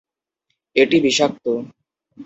এটি বিষাক্ত।